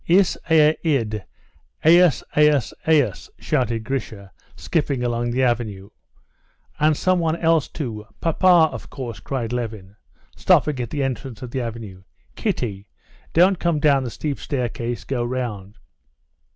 "Is ea id, ejus, ejus, ejus!" shouted Grisha, skipping along the avenue. "And someone else too! Papa, of course!" cried Levin, stopping at the entrance of the avenue. "Kitty, don't come down the steep staircase, go round."